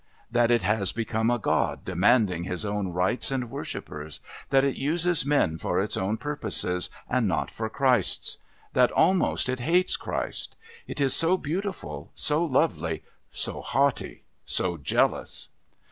That it has become a god demanding his own rites and worshippers? That it uses men for its own purposes, and not for Christ's? That almost it hates Christ? It is so beautiful, so lovely, so haughty, so jealous!